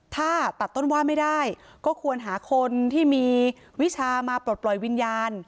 ถ้าตัดต้นว่าไม่ได้ก็ควรหาคนที่มีวิชามาปลดปล่อยวิญญาณ